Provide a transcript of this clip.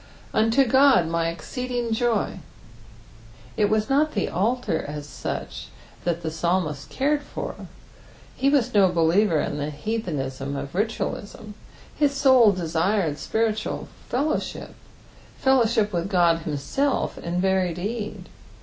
"ITnto Ood my exeeedisg joy," It was not the altar as such that the mslmist cared for, he was no believer in the heathenism of ritaalism : his soul desired spiritual fellowship, fellowship with Qod himself in very deed.